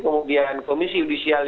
kemudian komisi judisial